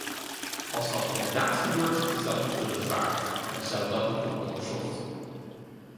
Als dat inderdaad gebeurt, is dat betreurenswaardig en zou dat moeten worden onderzocht.